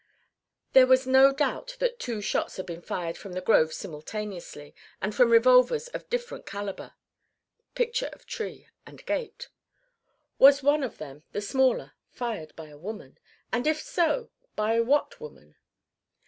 There was no doubt that two shots had been fired from the grove simultaneously, and from revolvers of different calibre (picture of tree and gate). Was one of them the smaller fired by a woman? And if so, by what woman?